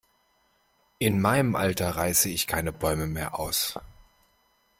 In meinem Alter reiße ich keine Bäume mehr aus.